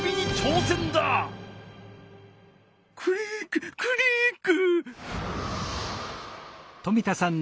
クリッククリック。